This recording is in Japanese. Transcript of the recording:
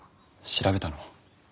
調べたの？